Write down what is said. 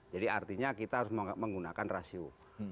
jadi artinya kita harus menggunakan rasio